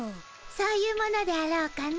そういうものであろうかの。